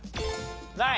ない？